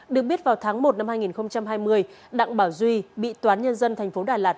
được biết vào tháng một năm hai nghìn hai mươi đặng bảo duy bị toán nhân dân tp đà lạt